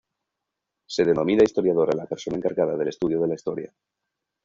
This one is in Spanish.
Se denomina historiador a la persona encargada del estudio de la historia.